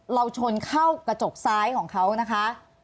ชนเข้ากระจกซ้ายของเขานะคะ